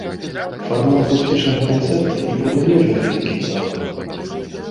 Фармат акустычнага канцэрта не прадугледжвае вялікіх залаў.